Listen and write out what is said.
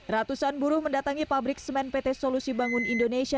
ratusan buruh mendatangi pabrik semen pt solusi bangun indonesia